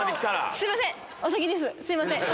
すいません！